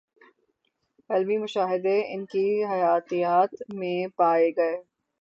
علمی مشاہدے ان کی حیاتیات میں پائے گئے